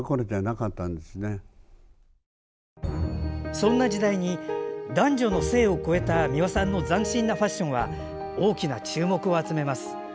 そんな時代に男女の性を超えた美輪さんの斬新なファッションは大きな注目を集めます。